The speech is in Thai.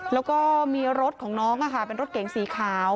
แล้วก็มีรถของน้องเป็นรถเก๋งสีขาว